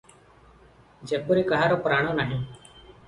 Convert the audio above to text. ଯେପରି କାହାର ପ୍ରାଣ ନାହିଁ ।